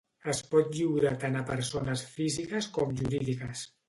Es pot lliurar tant a persones físiques com jurídiques.